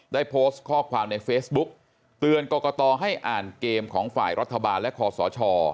ได้โพสต์ข้อความในเฟซบุ๊กเตือนกรกตให้อ่านเกมของฝ่ายรัฐบาลและคอสช